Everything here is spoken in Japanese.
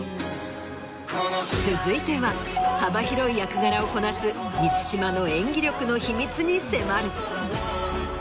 続いては幅広い役柄をこなす満島の演技力の秘密に迫る。